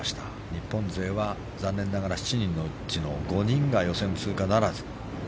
日本勢は残念ながら７人のうちが５人が予選通過ならず。